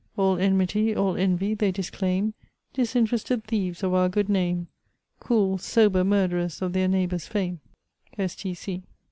All enmity, all envy, they disclaim, Disinterested thieves of our good name: Cool, sober murderers of their neighbour's fame!"